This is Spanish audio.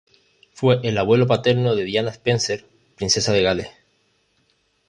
Fue el abuelo paterno de Diana Spencer, princesa de Gales.